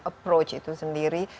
approach itu sendiri